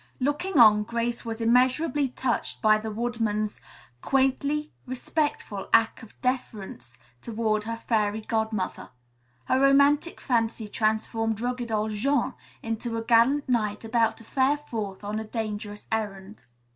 Looking on, Grace was immeasurably touched by the woodsman's quaintly respectful act of deference toward her Fairy Godmother. Her romantic fancy transformed rugged old Jean into a gallant knight about to fare forth on a dangerous errand.